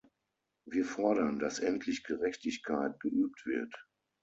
Wir fordern, dass endlich Gerechtigkeit geübt wird.